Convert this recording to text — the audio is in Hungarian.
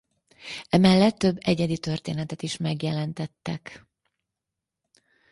Emellett több egyedi történetet is megjelentettek.